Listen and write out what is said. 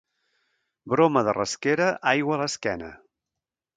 Broma de Rasquera, aigua a l'esquena.